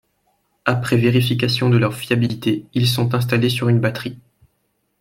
Après vérification de leur fiabilité, ils sont installés sur une batterie.